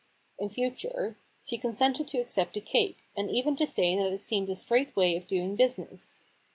— in future, she consented to accept the cake, and even to say that it seemed a straight way of doing business.